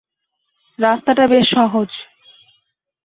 রাস্তাটা বেশ সহজ।